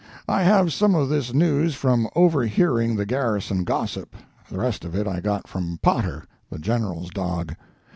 I have some of this news from over hearing the garrison gossip, the rest of it I got from Potter, the General's dog.